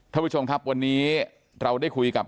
ท่านผู้ชมครับวันนี้เราได้คุยกับ